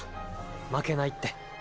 負けないって。